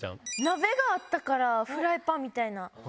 鍋があったからフライパンみたいな。